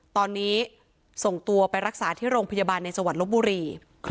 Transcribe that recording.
ตอนนี้ส่งตัวไปรักษาที่โรงพยาบาลในจังหวัดลบบุรี